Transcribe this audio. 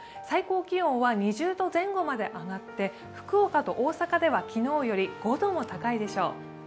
最高気温は２０度前後まで上がって、福岡と大阪では昨日より５度も高いでしょう。